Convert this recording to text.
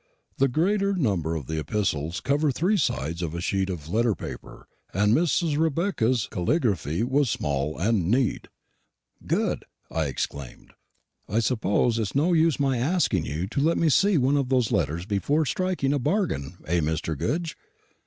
The greater number of the epistles cover three sides of a sheet of letter paper; and Mrs. Rebecca's caligraphy was small and neat." "Good!" I exclaimed. "I suppose it is no use my asking you to let me see one of these letters before striking a bargain eh, Mr. Goodge?"